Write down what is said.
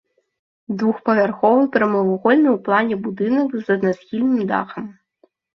Двухпавярховы прамавугольны ў плане будынак з аднасхільным дахам.